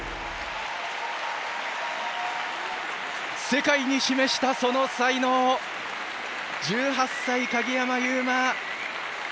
世界に示したその才能１８歳鍵山優真。